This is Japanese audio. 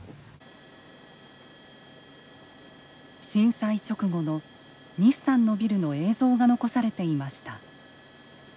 震災直後の西さんのビルの映像が残されていました。